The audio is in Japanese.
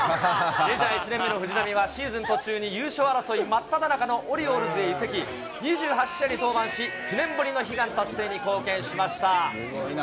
メジャー１年目の藤浪は真っただ中のオリオールズ移籍、２８試合に登板し９年ぶりの悲願達成に貢献しました。